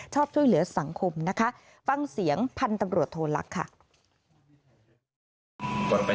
ช่วยเหลือสังคมนะคะฟังเสียงพันธุ์ตำรวจโทลักษณ์ค่ะ